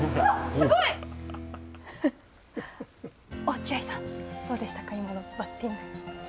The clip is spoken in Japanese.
すごい！落合さん、どうでしたか、今のバッティング。